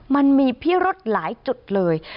มันมีพิรุธหลายจุดเลย